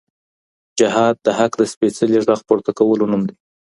جهاد د حق د سپېڅلي غږ پورته کولو نوم دی.